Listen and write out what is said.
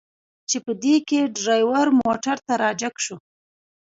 چې په دې کې ډریور موټر ته را جګ شو.